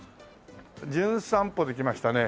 『じゅん散歩』で来ましたね